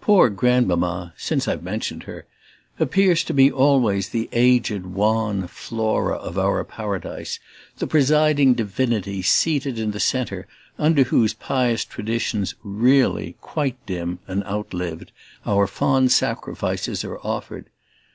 Poor Grandmamma since I've mentioned her appears to me always the aged wan Flora of our paradise; the presiding divinity, seated in the centre, under whose pious traditions, REALLY quite dim and outlived, our fond sacrifices are offered.